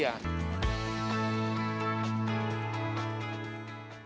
kita bisa memastikan ketersediaan